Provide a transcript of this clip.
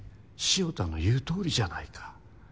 潮田の言う通りじゃないか。